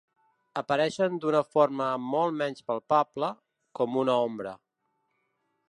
Apareixen d'una forma molt menys palpable, com una ombra.